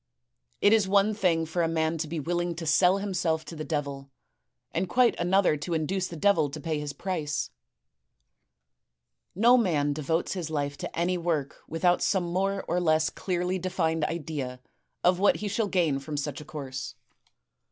It is one thing for a man to be willing to sell himself to the devil, and quite another to induce the devil to pay his price. " No man devotes his life to any work without some more or less clearly defined idea of what he shall gain from such a course.